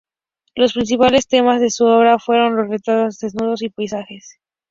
Los principales temas de su obra fueron los retratos, desnudos y paisajes.